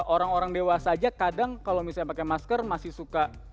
orang orang dewasa aja kadang kalau misalnya pakai masker masih suka